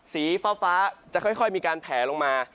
สีฟ้าจะค่อยมีการแผลลงมา